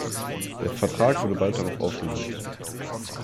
Der Vertrag wurde bald darauf aufgelöst.